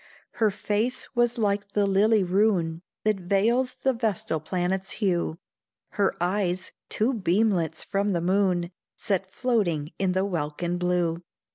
Her face was like the lily roon That veils the vestal planet's hue; Her eyes, two beamlets from the moon, Set floating in the welkin blue.